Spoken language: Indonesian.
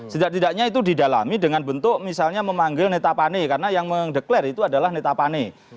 setidak tidaknya itu didalami dengan bentuk misalnya memanggil netapane karena yang mendeklarasi itu adalah netapane